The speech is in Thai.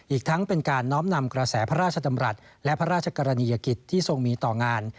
อีกทั้งเป็นการน้อมนำกระแสพระราชดำรัฐและพระราชกรณียกิจที่ทรงมีต่องาน